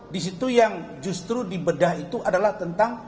disitu yang justru di bedah itu adalah tentang